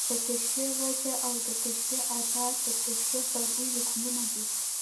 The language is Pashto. د تشبېه وجه او د تشبېه ادات، د تشبېه فرعي رکنونه دي.